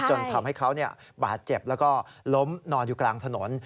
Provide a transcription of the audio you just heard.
จนทำให้เขาบาดเจ็บแล้วก็ล้มนอนอยู่กลางถนน